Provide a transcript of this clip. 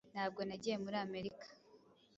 Ntabwo nagiye muri Amerika